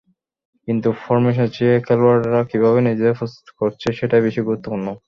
কিন্তু ফরমেশনের চেয়ে খেলোয়াড়েরা কীভাবে নিজেদের প্রস্তুত করছে, সেটাই বেশি গুরুত্বপূর্ণ।